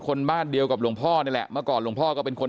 บ้านเดียวกับหลวงพ่อนี่แหละเมื่อก่อนหลวงพ่อก็เป็นคน